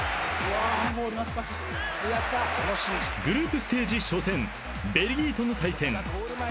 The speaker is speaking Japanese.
［グループステージ初戦ベルギーとの対戦］